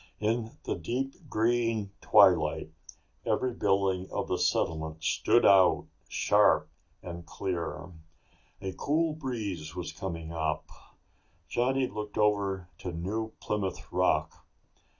In the deep green twilight every building of the settlement stood out sharp and clear. A cool breeze was coming up. Johnny looked over to New Plymouth Rock.